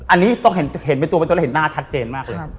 อันนี้ต้องเห็นเป็นตัวเป็นต้นแล้วเห็นหน้าชัดเจนมากเลย